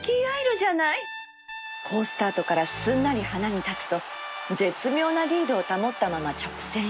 好スタートからすんなりハナに立つと絶妙なリードを保ったまま直線へ